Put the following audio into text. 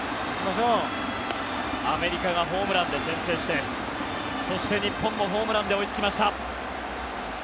アメリカがホームランで先制してそして日本もホームランで追いつきました。